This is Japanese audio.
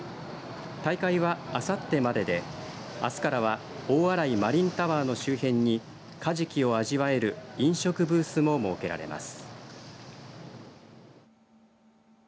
大会はあさってまでであすからは大洗マリンタワーの周辺にカジキを味わえる飲食ブースも設けられます。